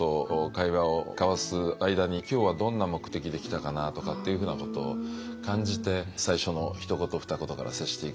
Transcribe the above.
会話を交わす間に今日はどんな目的で来たかなとかっていうふうなことを感じて最初のひと言ふた言から接していくっていうことなんですね。